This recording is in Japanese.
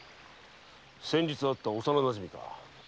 先日会った幼なじみだな。